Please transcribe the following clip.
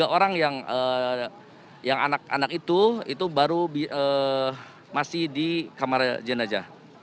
tiga orang yang anak anak itu itu baru masih di kamar jenajah